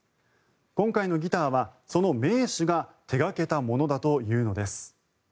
今回のギターはその名手が手掛けたものだというのです。